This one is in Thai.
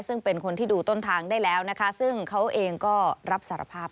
ซึ่งเป็นคนที่ดูต้นทางได้แล้วนะคะซึ่งเขาเองก็รับสารภาพ